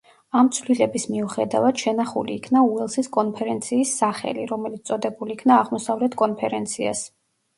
ამ ცვლილების მიუხედავად, შენახული იქნა უელსის კონფერენციის სახელი, რომელიც წოდებულ იქნა აღმოსავლეთ კონფერენციას.